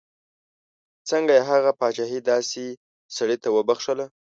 څنګه یې هغه پاچهي داسې سړي ته بخښله.